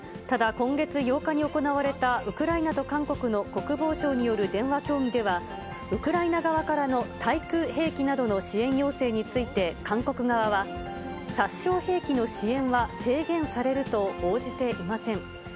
ただ今月８日に行われたウクライナと韓国の国防相による電話協議では、ウクライナ側からの対空兵器などの支援要請について、韓国側は、殺傷兵器の支援は制限されると応じていません。